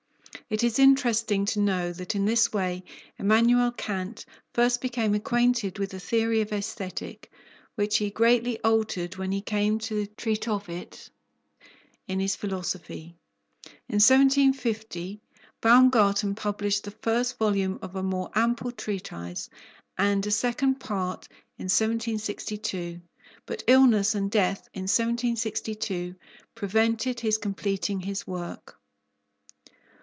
It is interesting to know that in this way Emmanuel Kant first became acquainted with the theory of Aesthetic, which he greatly altered when he came to treat of it in his philosophy. In 1750, Baumgarten published the first volume of a more ample treatise, and a second part in 1762. But illness, and death in 1762, prevented his completing his work.